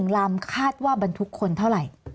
ลำคาดว่าบรรทุกคนเท่าไหร่